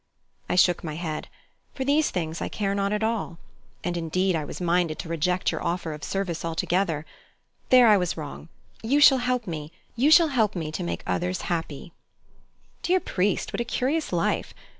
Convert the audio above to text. I shook my head. "For these things I care not at all. And indeed I was minded to reject your offer of service altogether. There I was wrong. You shall help me you shall help me to make others happy." "Dear priest, what a curious life!